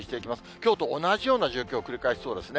きょうと同じような状況、繰り返しそうですね。